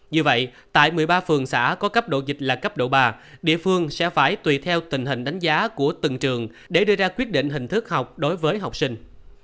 như vậy tại một mươi ba phường xã có cấp độ dịch là cấp độ ba địa phương sẽ phải tùy theo tình hình đánh giá của từng trường để đưa ra quyết định hình thức học đối với học sinh